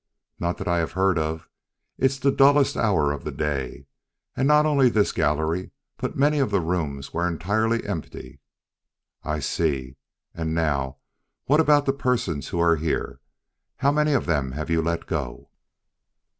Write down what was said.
"Not that I have heard of. It's the dullest hour of the day, and not only this gallery but many of the rooms were entirely empty." "I see. And now, what about the persons who were here? How many of them have you let go?"